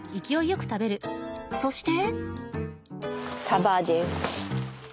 そして。